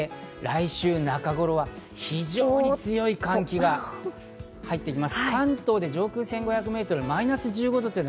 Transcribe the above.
そして来週の中頃は非常に強い寒気が入ってきます。